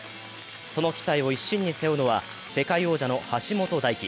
その期待を一身に背負うのは、世界王者の橋本大輝。